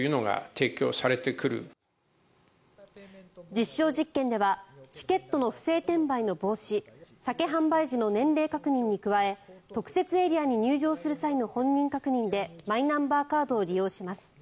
実証実験ではチケットの不正転売の防止酒販売時の年齢確認に加え特設エリアに入場する際の本人確認でマイナンバーカードを利用します。